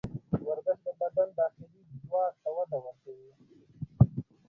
ورزش د بدن داخلي ځواک ته وده ورکوي.